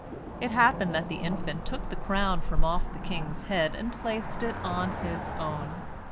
It happened that the infant took the crown from off the king's head, and placed it on his own.